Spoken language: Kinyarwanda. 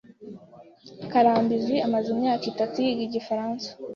Karambizi amaze imyaka itatu yiga igifaransa.